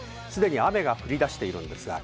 すでに雨が降り出しています。